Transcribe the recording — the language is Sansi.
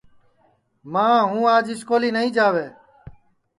ماں ہوں آج سکولی نائی جاوے